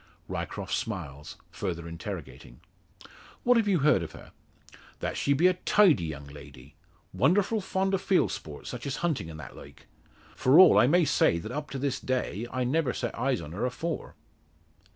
Ryecroft smiles, further interrogating: "What have you heard of her?" "That she be a tidy young lady. Wonderful fond o' field sport, such as hunting and that like. Fr' all, I may say that up to this day, I never set eyes on her afore."